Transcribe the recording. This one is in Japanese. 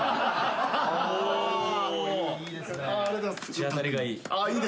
口当たりがいい。